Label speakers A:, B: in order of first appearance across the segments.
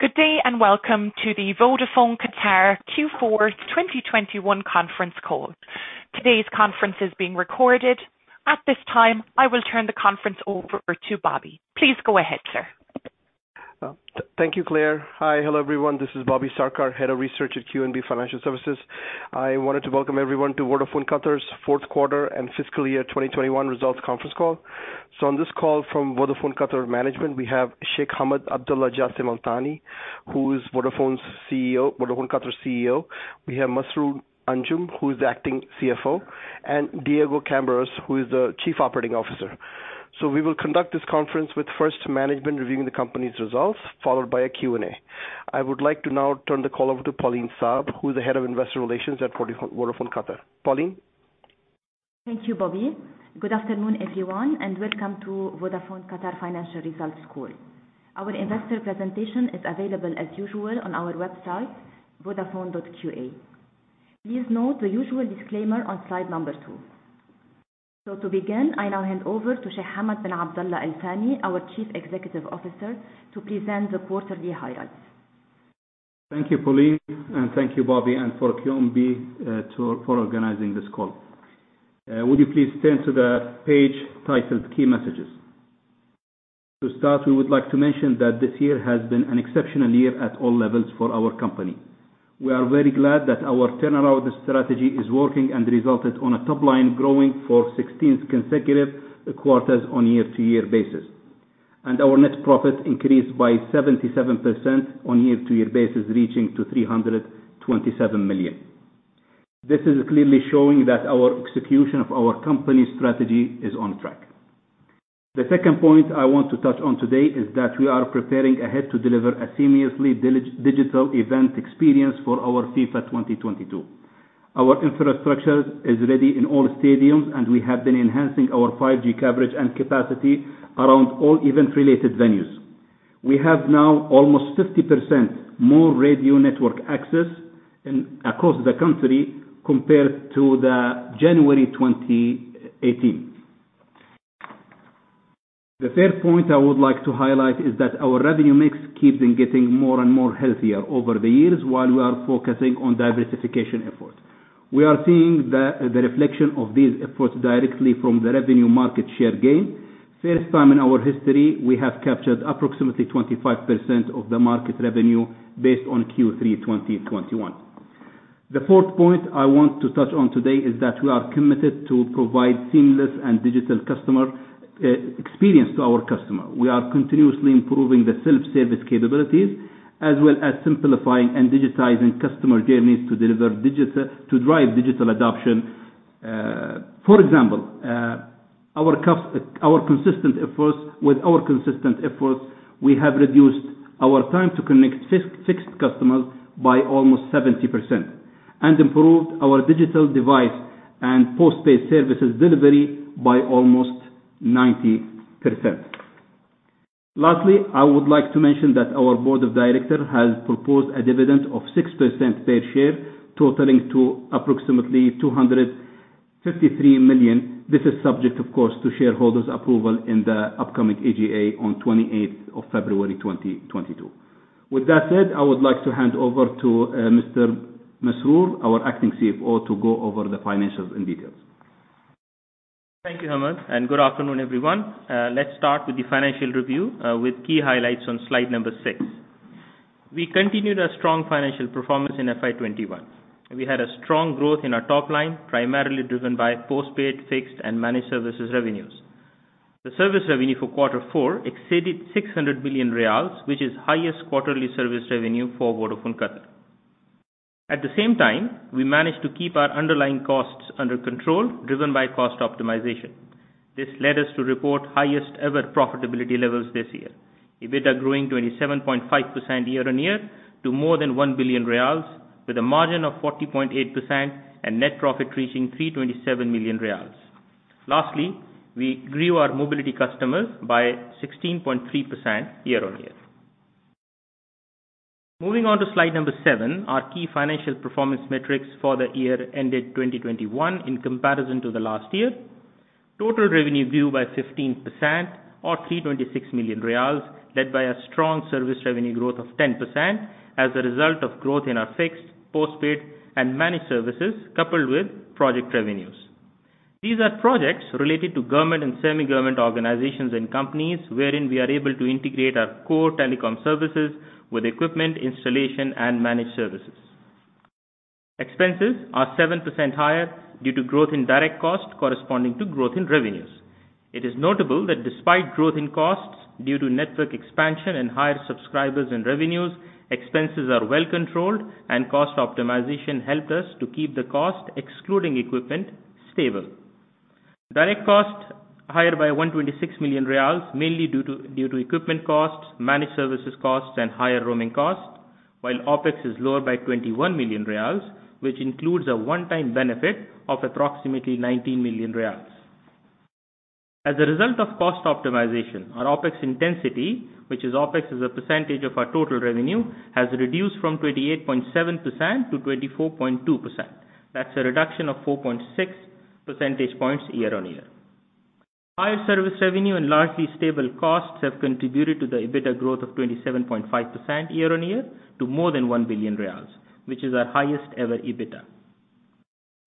A: Good day and welcome to the Vodafone Qatar Q4 2021 conference call. Today's conference is being recorded. At this time, I will turn the conference over to Bobby. Please go ahead, sir.
B: Thank you, Claire. Hi. Hello, everyone. This is Bobby Sarkar, Head of Research at QNB Financial Services. I wanted to welcome everyone to Vodafone Qatar's fourth quarter and fiscal year 2021 results conference call. On this call from Vodafone Qatar management, we have Sheikh Hamad Abdulla Jassim Al-Thani, who is Vodafone's CEO, Vodafone Qatar CEO. We have Masroor Anjum, who is the acting CFO, and Diego Camberos, who is the Chief Operating Officer. We will conduct this conference with first management reviewing the company's results, followed by a Q&A. I would like to now turn the call over to Pauline Abi Saab, who's the Head of Investor Relations at Vodafone Qatar. Pauline.
C: Thank you, Bobby. Good afternoon, everyone, and welcome to Vodafone Qatar financial results call. Our investor presentation is available as usual on our website, vodafone.qa. Please note the usual disclaimer on slide number two. To begin, I now hand over to Sheikh Hamad Abdulla Jassim Al-Thani, our Chief Executive Officer, to present the quarterly highlights.
D: Thank you, Pauline, and thank you, Bobby, and for QNB for organizing this call. Would you please turn to the page titled Key Messages. To start, we would like to mention that this year has been an exceptional year at all levels for our company. We are very glad that our turnaround strategy is working and resulted in top-line growing for 16th consecutive quarters on year-over-year basis. Our net profit increased by 77% on year-over-year basis, reaching 327 million. This is clearly showing that our execution of our company strategy is on track. The second point I want to touch on today is that we are preparing ahead to deliver a seamless digital event experience for the FIFA 2022. Our infrastructure is ready in all stadiums, and we have been enhancing our 5G coverage and capacity around all event-related venues. We have now almost 50% more radio network access across the country compared to January 2018. The third point I would like to highlight is that our revenue mix keeps on getting healthier over the years while we are focusing on diversification effort. We are seeing the reflection of these efforts directly from the revenue market share gain. First time in our history, we have captured approximately 25% of the market revenue based on Q3 2021. The fourth point I want to touch on today is that we are committed to provide seamless and digital customer experience to our customer. We are continuously improving the self-service capabilities as well as simplifying and digitizing customer journeys to drive digital adoption. For example, with our consistent efforts, we have reduced our time to connect fixed customers by almost 70% and improved our digital device and postpaid services delivery by almost 90%. Lastly, I would like to mention that our board of directors has proposed a dividend of 6% per share, totaling to approximately 253 million. This is subject, of course, to shareholders' approval in the upcoming AGA on 28th of February 2022. With that said, I would like to hand over to Mr. Masroor, our Acting CFO, to go over the financials in detail.
E: Thank you, Hamad, and good afternoon, everyone. Let's start with the financial review, with key highlights on slide number 6. We continued a strong financial performance in FY 2021. We had a strong growth in our top-line, primarily driven by postpaid, fixed and managed services revenues. The service revenue for quarter four exceeded 600 million riyals, which is the highest quarterly service revenue for Vodafone Qatar. At the same time, we managed to keep our underlying costs under control, driven by cost optimization. This led us to report highest ever profitability levels this year. EBITDA growing 27.5% year-on-year, to more than 1 billion riyals with a margin of 40.8% and net profit reaching 327 million riyals. Lastly, we grew our mobility customers by 16.3% year-on-year. Moving on to slide number 7, our key financial performance metrics for the year ended 2021 in comparison to the last year. Total revenue grew by 15% or 326 million riyals, led by a strong service revenue growth of 10% as a result of growth in our fixed, postpaid and managed services, coupled with project revenues. These are projects related to government and semi-government organizations and companies wherein we are able to integrate our core telecom services with equipment, installation and managed services. Expenses were 7% higher due to growth in direct cost corresponding to growth in revenues. It is notable that despite growth in costs due to network expansion and higher subscribers and revenues, expenses are well controlled and cost optimization helped us to keep the cost, excluding equipment, stable. Direct costs were higher by 126 million riyals, mainly due to equipment costs, managed services costs and higher roaming costs, while OpEx is lower by QAR 21 million, which includes a one-time benefit of approximately QAR 19 million. As a result of cost optimization, our OpEx intensity, which is OpEx as a percentage of our total revenue, has reduced from 28.7% to 24.2%. That's a reduction of 4.6 percentage points year-on-year. Higher service revenue and largely stable costs have contributed to the EBITDA growth of 27.5% year-on-year to more than 1 billion riyals, which is our highest ever EBITDA.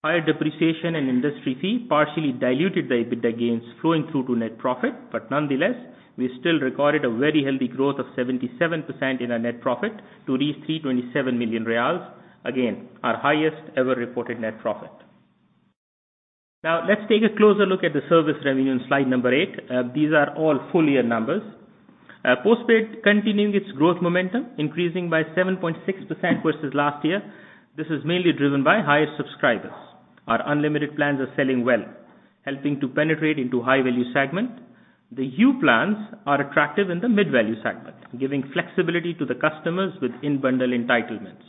E: Higher depreciation and industry fee partially diluted the EBITDA gains flowing through to net profit. Nonetheless, we still recorded a very healthy growth of 77% in our net profit to reach 327 million riyals. Again, our highest ever reported net profit. Now let's take a closer look at the service revenue on slide 8. These are all full year numbers. Postpaid continuing its growth momentum, increasing by 7.6% versus last year. This is mainly driven by higher subscribers. Our unlimited plans are selling well, helping to penetrate into high-value segment. The U Plans are attractive in the mid-value segment, giving flexibility to the customers with in-bundle entitlements.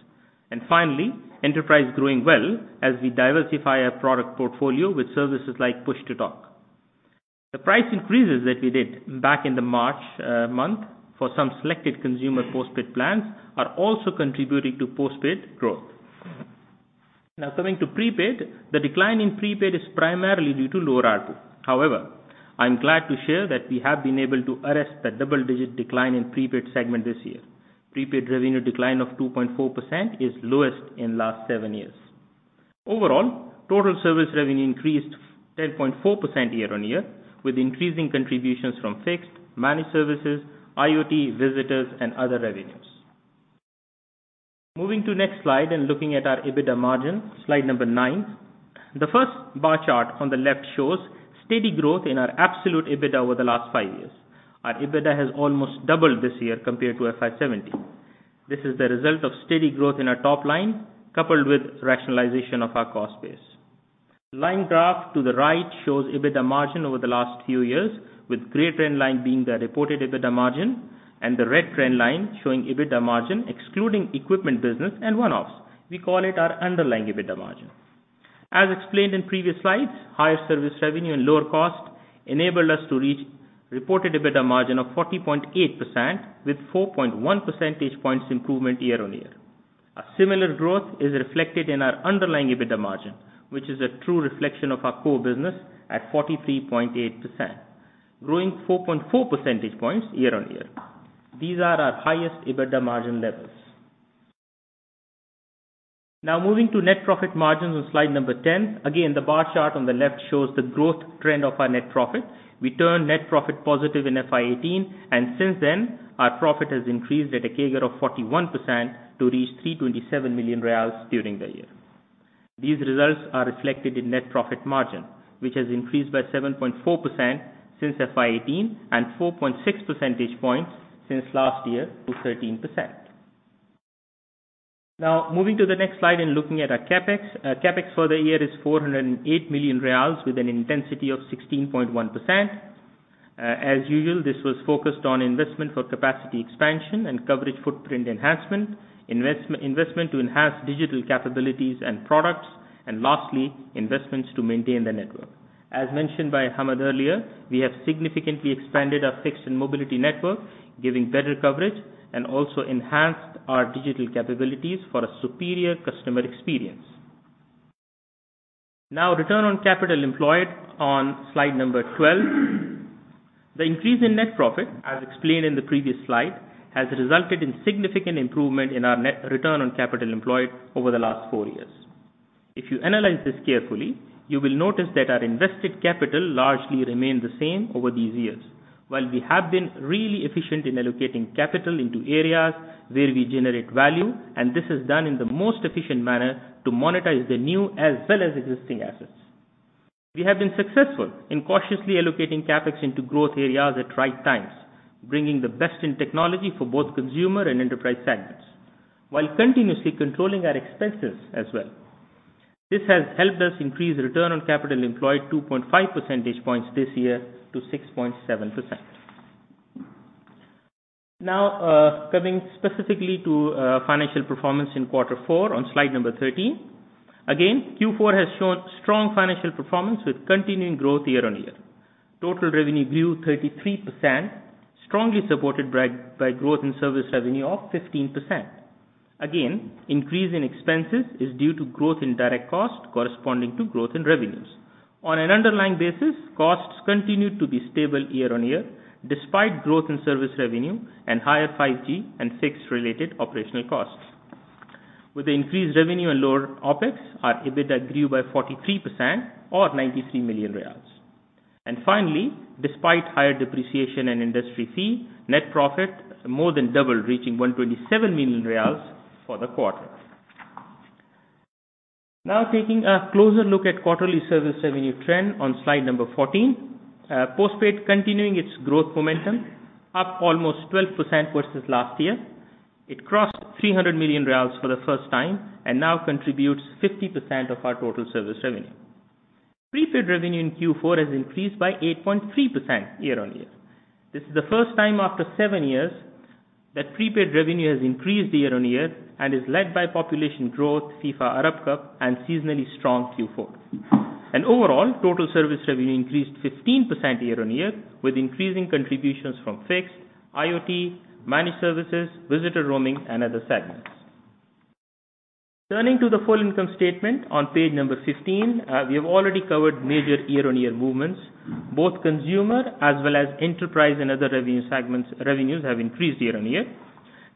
E: Finally, enterprise growing well as we diversify our product portfolio with services like Push to Talk. The price increases that we did back in the March month for some selected consumer postpaid plans are also contributing to postpaid growth. Now coming to prepaid. The decline in prepaid is primarily due to lower ARPU. However, I'm glad to share that we have been able to arrest the double-digit decline in prepaid segment this year. Prepaid revenue decline of 2.4% is lowest in last 7 years. Overall, total service revenue increased 10.4% year-on-year, with increasing contributions from fixed, managed services, IoT, visitors and other revenues. Moving to next slide and looking at our EBITDA margin, slide number 9. The first bar chart on the left shows steady growth in our absolute EBITDA over the last 5 years. Our EBITDA has almost doubled this year compared to FY 2017. This is the result of steady growth in our top-line, coupled with rationalization of our cost base. The line graph to the right shows EBITDA margin over the last few years, with gray trend line being the reported EBITDA margin and the red trend line showing EBITDA margin excluding equipment business and one-offs. We call it our underlying EBITDA margin. As explained in previous slides, higher service revenue and lower cost enabled us to reach reported EBITDA margin of 40.8% with 4.1 percentage points improvement year-on-year. A similar growth is reflected in our underlying EBITDA margin, which is a true reflection of our core business at 43.8%, growing 4.4 percentage points year-on-year. These are our highest EBITDA margin levels. Now moving to net profit margins on slide number 10. Again, the bar chart on the left shows the growth trend of our net profit. We turned net profit positive in FY 2018 and since then, our profit has increased at a CAGR of 41% to reach 327 million riyals during the year. These results are reflected in net profit margin, which has increased by 7.4% since FY 2018 and 4.6 percentage points since last year to 13%. Now moving to the next slide and looking at our CapEx. Our CapEx for the year is QAR 408 million with an intensity of 16.1%. As usual, this was focused on investment for capacity expansion and coverage footprint enhancement, investment to enhance digital capabilities and products, and lastly, investments to maintain the network. As mentioned by Hamad earlier, we have significantly expanded our fixed and mobile network, giving better coverage and also enhanced our digital capabilities for a superior customer experience. Return on capital employed on slide number 12. The increase in net profit, as explained in the previous slide, has resulted in significant improvement in our net return on capital employed over the last four years. If you analyze this carefully, you will notice that our invested capital largely remained the same over these years. While we have been really efficient in allocating capital into areas where we generate value, and this is done in the most efficient manner to monetize the new as well as existing assets. We have been successful in cautiously allocating CapEx into growth areas at right times, bringing the best in technology for both consumer and enterprise segments while continuously controlling our expenses as well. This has helped us increase return on capital employed 2.5 percentage points this year to 6.7%. Now, coming specifically to financial performance in quarter four on slide number 13. Q4 has shown strong financial performance with continuing growth year-on-year. Total revenue grew 33%, strongly supported by growth in service revenue of 15%. Increase in expenses is due to growth in direct cost corresponding to growth in revenues. On an underlying basis, costs continued to be stable year-on-year despite growth in service revenue and higher 5G and fixed-related operational costs. With the increased revenue and lower OpEx, our EBITDA grew by 43% or 93 million riyals. Finally, despite higher depreciation and industry fee, net profit more than doubled, reaching 127 million riyals for the quarter. Now taking a closer look at quarterly service revenue trend on slide number 14. Postpaid continuing its growth momentum, up almost 12% versus last year. It crossed 300 million riyals for the first time and now contributes 50% of our total service revenue. Prepaid revenue in Q4 has increased by 8.3% year-on-year. This is the first time after 7 years that prepaid revenue has increased year-on-year and is led by population growth, FIFA Arab Cup and seasonally strong Q4. Overall, total service revenue increased 15% year-on-year, with increasing contributions from fixed, IoT, managed services, visitor roaming and other segments. Turning to the full income statement on page 15, we have already covered major year-on-year movements, both consumer as well as enterprise and other revenue segments revenues have increased year-on-year.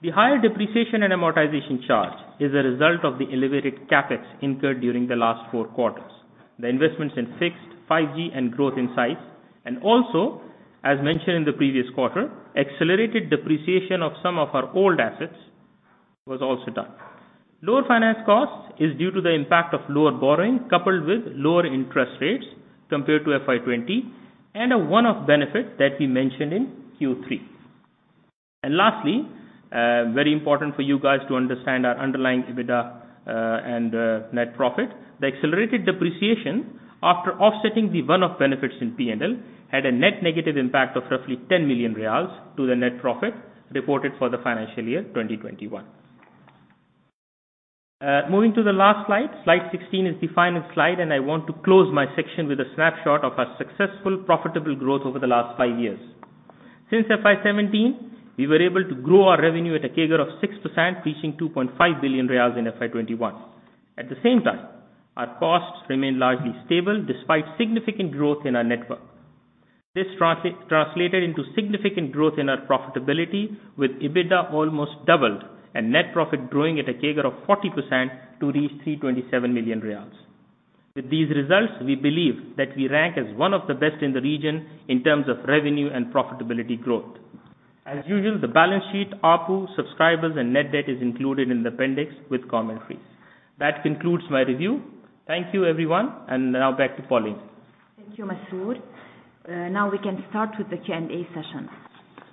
E: The higher depreciation and amortization charge is a result of the elevated CapEx incurred during the last 4 quarters. The investments in fixed, 5G and growth in size, and also as mentioned in the previous quarter, accelerated depreciation of some of our old assets was also done. Lower finance cost is due to the impact of lower borrowing, coupled with lower interest rates compared to FY 2020, and a one-off benefit that we mentioned in Q3. Lastly, very important for you guys to understand our underlying EBITDA, and, net profit. The accelerated depreciation after offsetting the one-off benefits in P&L had a net negative impact of roughly 10 million riyals to the net profit reported for the financial year 2021. Moving to the last slide. Slide 16 is the final slide, and I want to close my section with a snapshot of our successful profitable growth over the last five years. Since FY 2017, we were able to grow our revenue at a CAGR of 6%, reaching 2.5 billion riyals in FY 2021. At the same time, our costs remain largely stable despite significant growth in our network. This translated into significant growth in our profitability, with EBITDA almost doubled and net profit growing at a CAGR of 40% to reach 327 million riyals. With these results, we believe that we rank as one of the best in the region in terms of revenue and profitability growth. As usual, the balance sheet, ARPU, subscribers and net debt is included in the appendix with commentaries. That concludes my review. Thank you everyone, and now back to Pauline.
C: Thank you, Masroor Anjum. Now we can start with the Q&A session.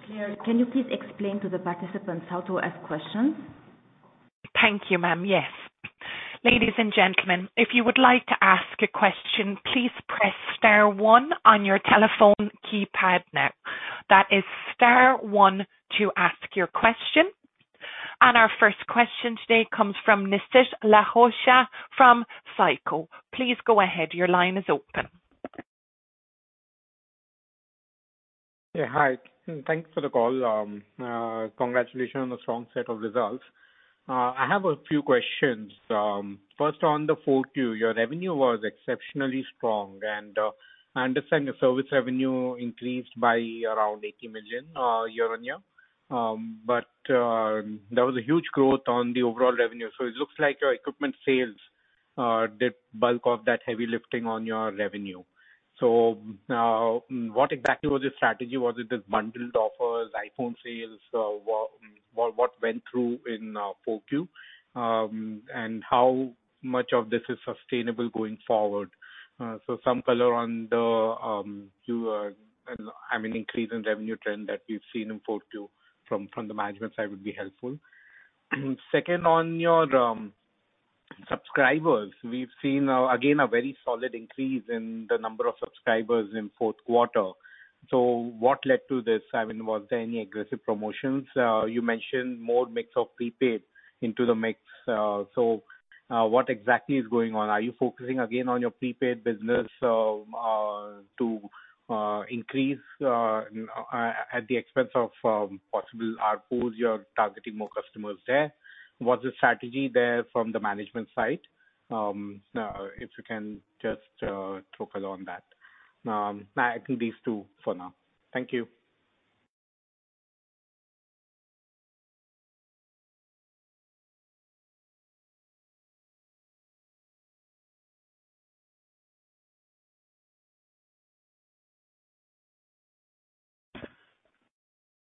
C: Claire, can you please explain to the participants how to ask questions?
A: Thank you, ma'am. Yes. Ladies and gentlemen, if you would like to ask a question, please press star one on your telephone keypad now. That is star one to ask your question. Our first question today comes from Nishit Lakhotia from SICO. Please go ahead. Your line is open.
F: Yeah, hi. Thanks for the call. Congratulations on the strong set of results. I have a few questions. First on the 4Q, your revenue was exceptionally strong, and I understand your service revenue increased by around 80 million year-on-year. But there was a huge growth on the overall revenue. It looks like your equipment sales did bulk of that heavy lifting on your revenue. Now, what exactly was your strategy? Was it this bundled offers, iPhone sales? What went through in 4Q? And how much of this is sustainable going forward? Some color on the increase in revenue trend that we've seen in 4Q from the management side would be helpful. Second, on your subscribers. We've seen again a very solid increase in the number of subscribers in fourth quarter. What led to this? WAs there any aggressive promotions? You mentioned more mix of prepaid into the mix. What exactly is going on? Are you focusing again on your prepaid business, to increase at the expense of possible ARPUs, you're targeting more customers there? What's the strategy there from the management side? If you can just talk a lot on that. I think these two for now. Thank you.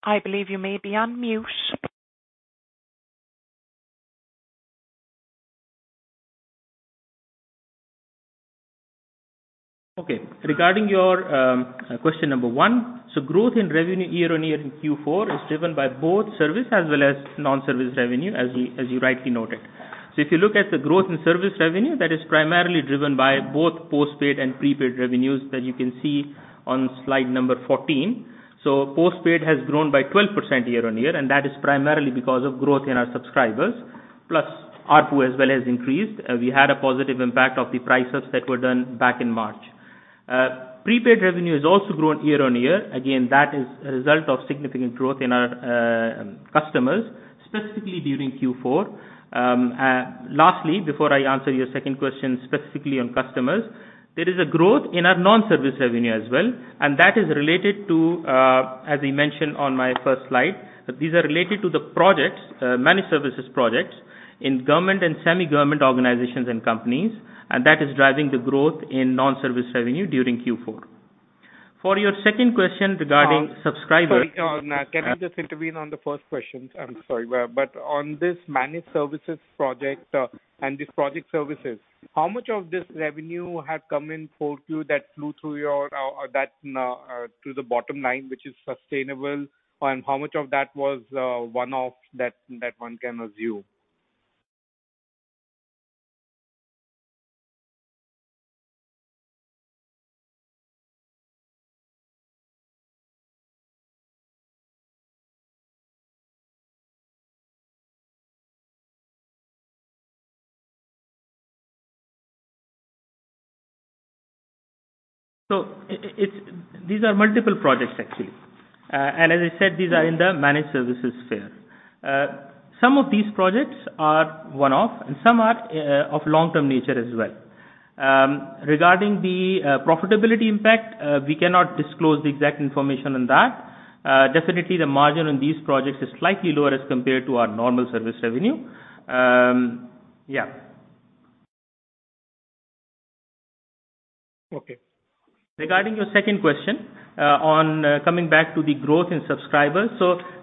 A: I believe you may be on mute.
E: Okay. Regarding your question number one. Growth in revenue year-on-year in Q4 is driven by both service as well as non-service revenue, as you rightly noted. If you look at the growth in service revenue, that is primarily driven by both postpaid and prepaid revenues that you can see on slide number 14. Postpaid has grown by 12% year-on-year, and that is primarily because of growth in our subscribers, plus ARPU as well as increased. We had a positive impact of the price ups that were done back in March. Prepaid revenue has also grown year-on-year. Again, that is a result of significant growth in our customers, specifically during Q4. Lastly, before I answer your second question specifically on customers, there is a growth in our non-service revenue as well, and that is related to, as I mentioned on my first slide, these are related to the projects, managed services projects in government and semi-government organizations and companies, and that is driving the growth in non-service revenue during Q4. For your second question regarding subscribers-
F: Sorry. Can we just intervene on the first question? I'm sorry. On this managed services project, and this project services, how much of this revenue had come in 4Q that flowed through your, that, to the bottom line, which is sustainable? And how much of that was, one-off that one can assume?
E: These are multiple projects actually. As I said, these are in the managed services sphere. Some of these projects are one-off and some are of long-term nature as well. Regarding the profitability impact, we cannot disclose the exact information on that. Definitely the margin on these projects is slightly lower as compared to our normal service revenue. Yeah. Okay. Regarding your second question, on coming back to the growth in subscribers.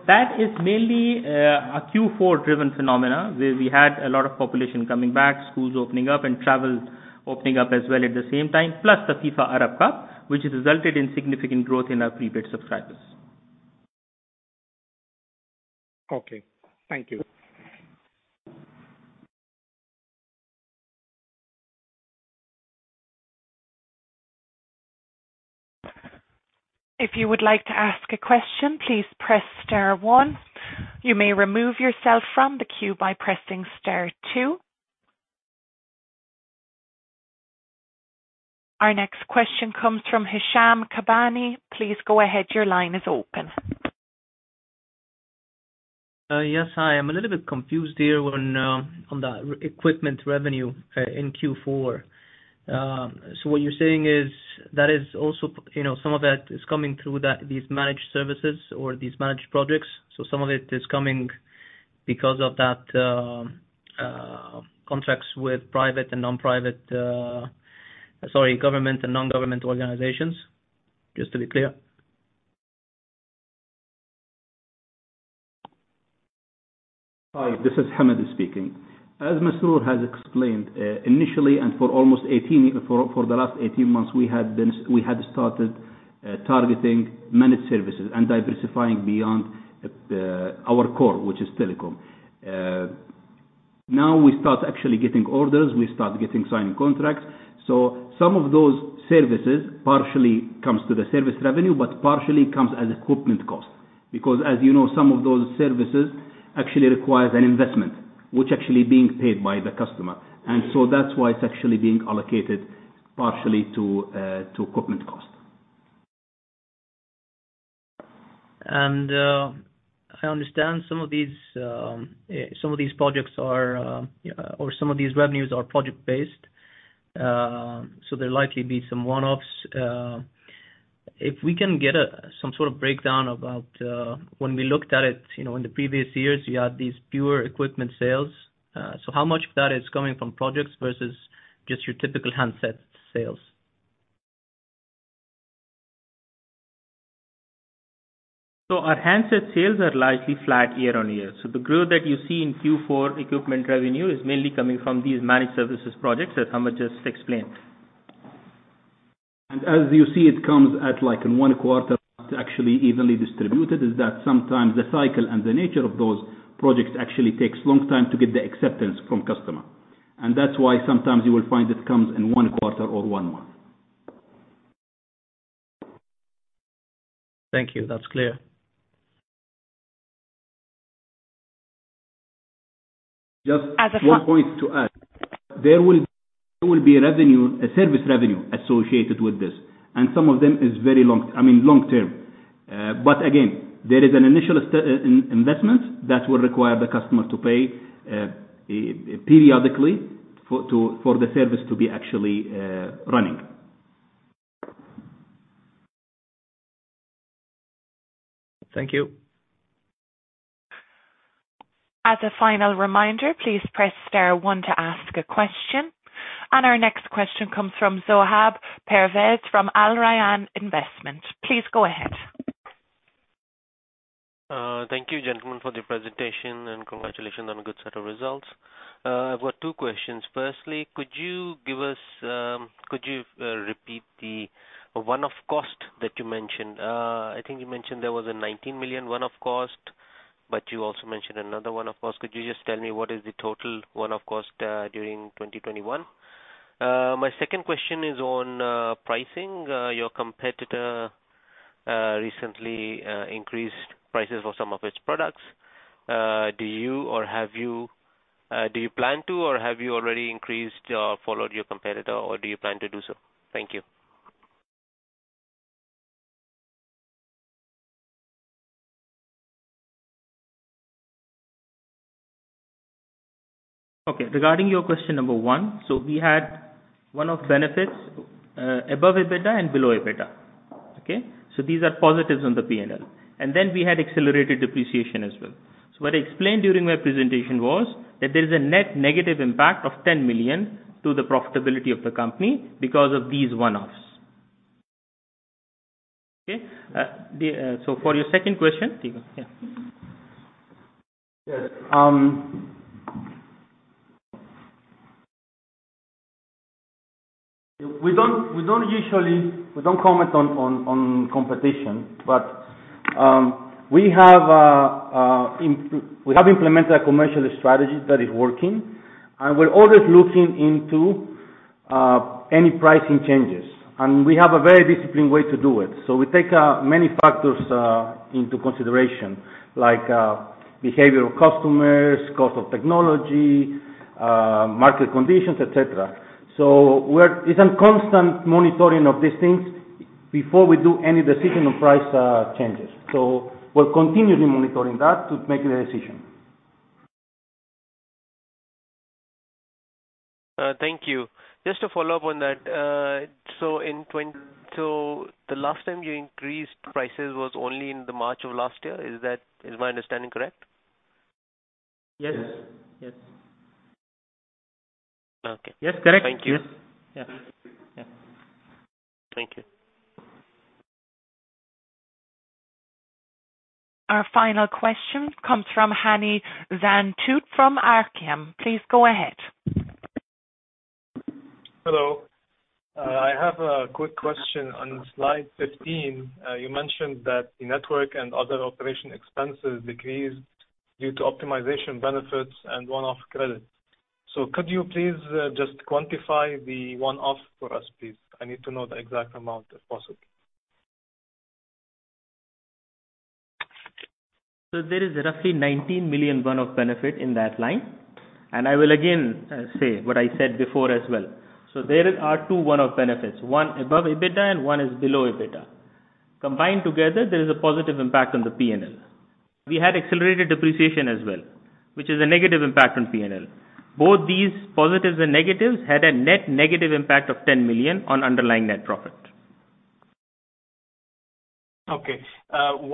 E: That is mainly a Q4-driven phenomena where we had a lot of population coming back, schools opening up and travel opening up as well at the same time, plus the FIFA Arab Cup, which resulted in significant growth in our prepaid subscribers.
F: Okay. Thank you.
A: Our next question comes from Hisham Kabbani. Please go ahead. Your line is open.
G: Yes. Hi. I'm a little bit confused here on equipment revenue in Q4. What you're saying is that is also some of that is coming through these managed services or these managed projects. Some of it is coming because of that, contracts with private and non-private. Sorry, government and non-government organizations. Just to be clear.
D: Hi, this is Hamad speaking. As Masroor has explained, initially and for the last 18 months we had started targeting managed services and diversifying beyond our core, which is telecom. Now we start actually getting orders. We start getting signed contracts. Some of those services partially come to the service revenue, but partially comes as equipment cost. Because, some of those services actually requires an investment, which are actually being paid by the customer. That's why it's actually being allocated partially to equipment cost.
G: I understand some of these revenues are project based. There'll likely be some one-offs. If we can get some breakdown about when we looked at it in the previous years, you had these pure equipment sales. How much of that is coming from projects versus just your typical handset sales?
E: Our handset sales are largely flat year-on-year. The growth that you see in Q4 equipment revenue is mainly coming from these managed services projects, as Hamad just explained.
D: As you see, it comes in one quarter, it's actually evenly distributed. It's that sometimes the cycle and the nature of those projects actually takes a long time to get the acceptance from customer. That's why sometimes you will find it comes in one quarter or one month.
G: Thank you. That's clear.
D: Just one point to add. There will be revenue, a service revenue associated with this, and some of them is very long-term. Again, there is an initial investment that will require the customer to pay periodically for the service to be actually running.
G: Thank you.
A: As a final reminder, please press star one to ask a question. Our next question comes from Zohaib Pervez from Al Rayan Investment. Please go ahead.
H: Thank you, gentlemen, for the presentation and congratulations on a good set of results. I've got two questions. Firstly, could you repeat the one-off cost that you mentioned? I think you mentioned there was a 19 million one-off cost, but you also mentioned another one-off cost. Could you just tell me what is the total one-off cost during 2021? My second question is on pricing. Your competitor recently increased prices for some of its products. Do you plan to or have you already increased or followed your competitor or do you plan to do so? Thank you.
E: Okay. Regarding your question number 1, we had one-off benefits above EBITDA and below EBITDA. Okay? These are positives on the P&L. We had accelerated depreciation as well. What I explained during my presentation was that there is a net negative impact of 10 million to the profitability of the company because of these one-offs. Okay? For your second question. Yeah.
D: Yes. We don't usually comment on competitors. We have implemented a commercial strategy that is working, and we're always looking into any pricing changes. We have a very disciplined way to do it. We take many factors into consideration, like behavior of customers, cost of technology, market conditions, et cetera. It's a constant monitoring of these things.
E: Before we make any decision on price changes. We're continuously monitoring that to make a decision.
H: Thank you. Just to follow up on that. The last time you increased prices was only in the March of last year. Is my understanding correct?
E: Yes..
H: Okay.
E: Yes, correct. Yes.
H: Thank you.
E: Yeah.
H: Thank you.
A: Our final question comes from Hani Zantout from Arqaam Capital. Please go ahead.
I: Hello. I have a quick question on slide 15. You mentioned that the network and other operating expenses decreased due to optimization benefits and one-off credit. Could you please just quantify the one-off for us, please? I need to know the exact amount, if possible.
E: There is roughly 19 million one-off benefit in that line. I will again say what I said before as well. There are two one-off benefits, one above EBITDA and one is below EBITDA. Combined together, there is a positive impact on the P&L. We had accelerated depreciation as well, which is a negative impact on P&L. Both these positives and negatives had a net negative impact of 10 million on underlying net profit.
I: Okay.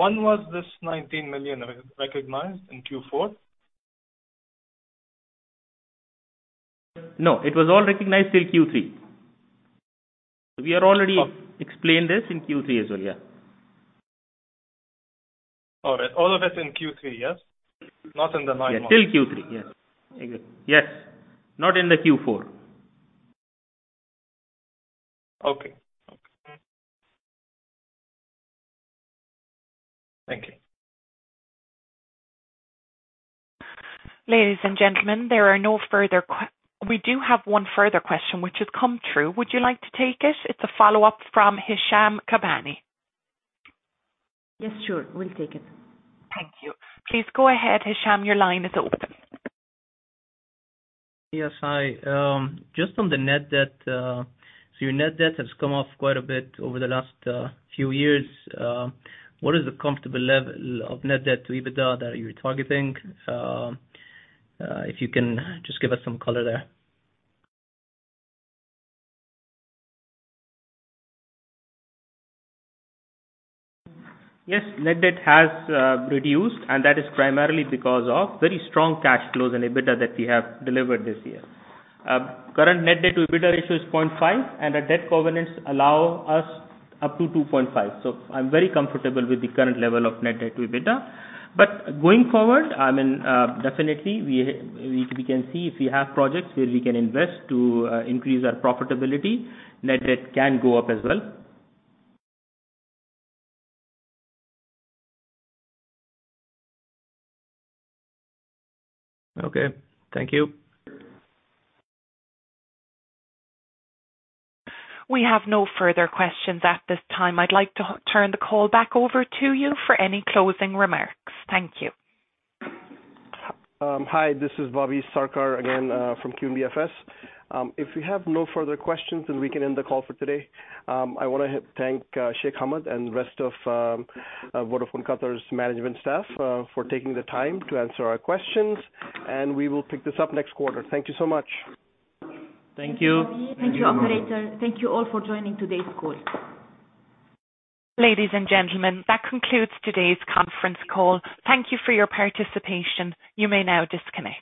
I: One, was this 19 million recognized in Q4?
E: No, it was all recognized in Q3. We had already explained this in Q3 as well. Yeah.
I: All right. All of it's in Q3, yes? Not in the nine months.
E: Yeah. Still Q3. Yes. Yes. Not in the Q4.
I: Okay. Thank you.
A: Ladies and gentlemen, we do have one further question which has come through. Would you like to take it? It's a follow-up from Hisham Kabbani.
C: Yes, sure. We'll take it.
A: Thank you. Please go ahead, Hisham. Your line is open.
G: Yes. Hi, just on the net debt. Your net debt has come off quite a bit over the last few years. What is the comfortable level of net debt to EBITDA that you're targeting? If you can just give us some color there.
E: Yes, net debt has reduced, and that is primarily because of very strong cash flows and EBITDA that we have delivered this year. Current net debt to EBITDA ratio is 0.5, and our debt covenants allow us up to 2.5. I'm very comfortable with the current level of net debt to EBITDA. Going forward, definitely we can see if we have projects where we can invest to increase our profitability, net debt can go up as well.
G: Okay. Thank you.
A: We have no further questions at this time. I'd like to turn the call back over to you for any closing remarks. Thank you.
B: Hi, this is Bobby Sarkar again from QNB FS. If we have no further questions, then we can end the call for today. I wanna thank Sheikh Hamad and the rest of Vodafone Qatar's management staff for taking the time to answer our questions, and we will pick this up next quarter. Thank you so much.
E: Thank you.
C: Thank you, operator. Thank you all for joining today's call.
A: Ladies and gentlemen, that concludes today's conference call. Thank you for your participation. You may now disconnect.